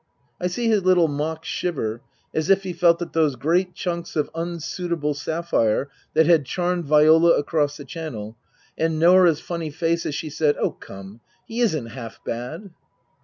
" I see his little mock shiver (as if he felt that it was those great chunks of unsuitable sapphire that had charmed Viola across the Channel), and Norah's funny face as she said, " Oh, come, he isn't half bad."